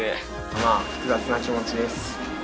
まあ複雑な気持ちです。